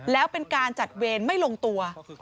แล้วเป็นการจัดเวรไม่ลงตัว